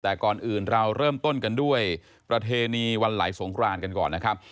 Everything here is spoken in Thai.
แต่ก่อนอื่นเราเริ่มต้นกันด้วยประเพณีวันไหลสงครานกันก่อนนะครับ